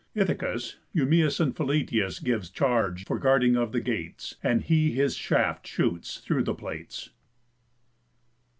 Ithacus Eumæus and Philœtius Gives charge for guarding of the gates; And he his shaft shoots through the plates.